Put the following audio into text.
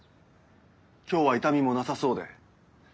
今日は痛みもなさそうで。